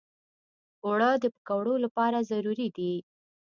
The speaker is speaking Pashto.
اوړه د پکوړو لپاره ضروري دي